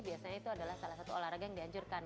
biasanya itu adalah salah satu olahraga yang dianjurkan